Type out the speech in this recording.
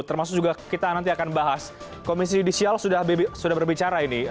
termasuk juga kita nanti akan bahas komisi judisial sudah berbicara ini